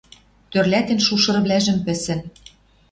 Тӧрлӓтен шушырвлӓжӹм пӹсӹн...